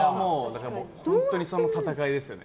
だから本当にその闘いですよね。